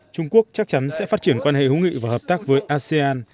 trung quốc chắc chắn sẽ phát triển quan hệ hữu nghị và hợp tác với asean